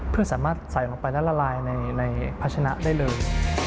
เพื่อสามารถใส่ลงไปและละลายในพัชนะได้เลย